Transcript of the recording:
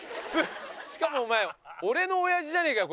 しかもお前俺の親父じゃねえかよ